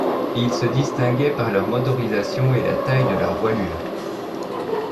Ils se distinguaient par leurs motorisations et la taille de leur voilure.